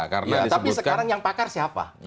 tapi sekarang yang pakar siapa